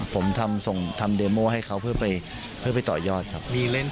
ผมทำโดยเด็มโม่ให้เค้าเพื่อไปต่อยอดครับ